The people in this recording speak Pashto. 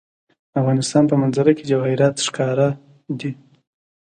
د افغانستان په منظره کې جواهرات ښکاره ده.